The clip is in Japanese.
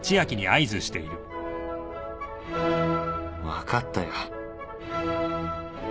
分かったよ